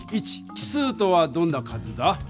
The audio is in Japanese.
奇数とはどんな数だ？